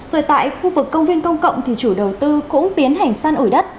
rồi tại khu vực công viên công cộng thì chủ đầu tư cũng tiến hành săn ủi đất